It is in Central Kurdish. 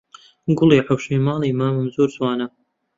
گوڵی حەوشەی ماڵی مامم زۆر جوانە